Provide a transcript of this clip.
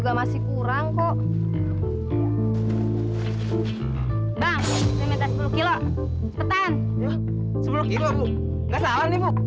gak salah nih bu